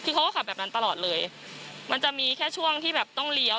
คือเขาก็ขับแบบนั้นตลอดเลยมันจะมีแค่ช่วงที่แบบต้องเลี้ยว